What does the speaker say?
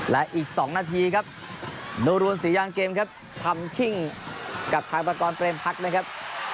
และอีก๒นาทีครับดูรวนศรียางเกมครับทำชิ่งกับทางประกอบเรมพักนะครับ